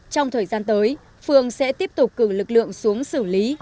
trong thời gian tới phường sẽ tiếp tục cử lực lượng xuống xử lý